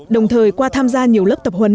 đồng thời qua tham gia nhiều lớp tập huấn